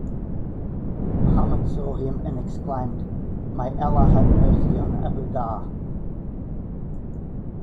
Muhammad saw him and exclaimed, May Allah have Mercy on Abu Dhar!.